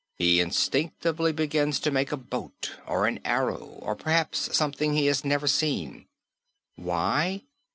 He instinctively begins to make a boat or an arrow or perhaps something he has never seen. Why?